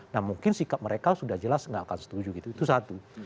nah mungkin sikap mereka sudah jelas nggak akan setuju gitu itu satu